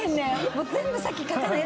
もう全部先書かな。